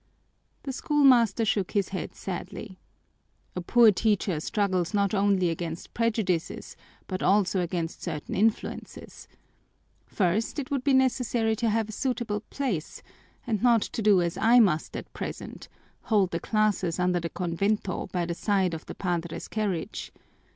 The schoolmaster shook his head sadly. "A poor teacher struggles not only against prejudices but also against certain influences. First, it would be necessary to have a suitable place and not to do as I must at present hold the classes under the convento by the side of the padre's carriage.